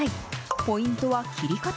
ポイントは切り方。